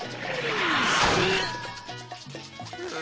ああ！